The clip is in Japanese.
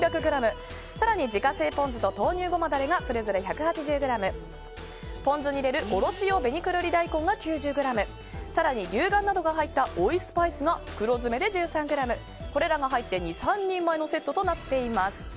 更に自家製ポン酢と豆乳ごまダレがそれぞれ１８０ｇポン酢に入れるおろし用紅くるり大根が９０ｇ更にリュウガンなどが入った追いスパイスが袋詰めで１３ｇこれらが入って２３人前のセットとなっています。